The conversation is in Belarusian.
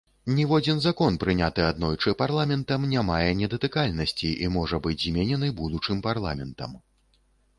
Ніводзін закон, прыняты аднойчы парламентам, не мае недатыкальнасці і можа быць зменены будучым парламентам.